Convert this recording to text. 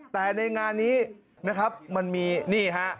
แต่ในงานนี้นะครับมันมีนี่ฮะ